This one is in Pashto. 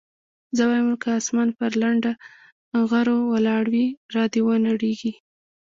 زه وايم که اسمان پر لنډه غرو ولاړ وي را دې ونړېږي.